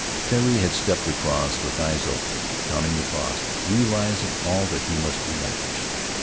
Tari had stepped across with eyes open, counting the cost, realizing all that he must relinquish.